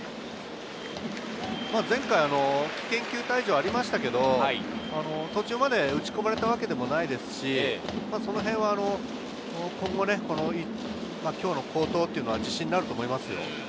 前回、危険球退場がありましたけれど、途中まで打ち込まれたわけでもないですし、そのへんは今日の好投は自信になると思いますよ。